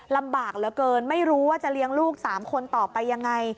ลำบากเหลือเกินไม่รู้ว่าจะเลี้ยงลูก๓คนต่อไปยังไง